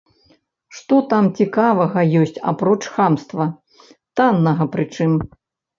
Што там цікавага ёсць апроч хамства, таннага прычым?